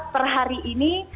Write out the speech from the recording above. per hari ini